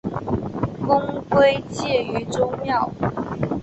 公归荐于周庙。